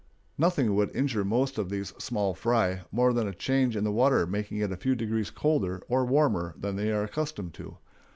Nothing would injure most of these "small fry" more than a change in the water making it a few degrees colder or warmer than they were accustomed to.